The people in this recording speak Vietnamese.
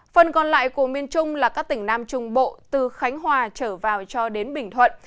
phần còn lại của miền trung là các tỉnh nam trung bộ từ khánh hòa trở vào cho đến bình thuận